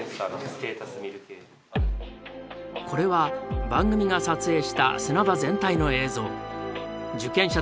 これは番組が撮影した砂場全体の映像。